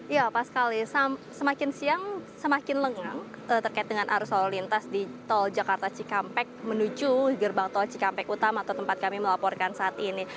ya pas sekali semakin siang semakin lengang terkait dengan arus lalu lintas di tol jakarta cikampek menuju gerbang tol cikampek utama atau tempat kami melaporkan saat ini